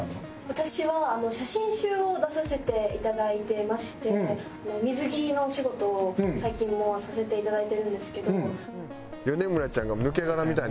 私は写真集を出させて頂いてまして水着のお仕事を最近もさせて頂いてるんですけど。